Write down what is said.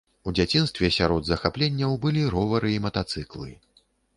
У дзяцінстве сярод захапленняў былі ровары і матацыклы.